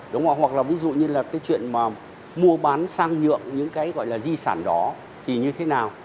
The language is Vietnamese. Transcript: đúng không hoặc là ví dụ như là cái chuyện mà mua bán sang nhượng những cái gọi là di sản đó thì như thế nào